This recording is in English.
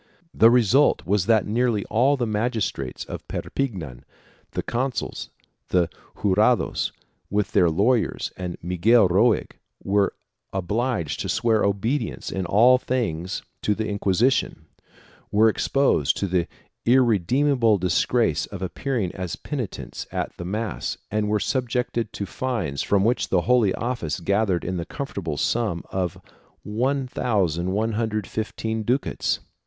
The result was that nearly all the magistrates of Perpignan — the consuls and jurados with their lawyers and Miguel Roig — were obliged to swear obedience in all things to the Inquisition, were exposed to the irredeemable disgrace of appearing as penitents at the mass and were subjected to fines from which the Holy Office gathered in the comfortable sum of 1115 ducats.